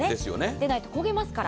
でないと焦げますから。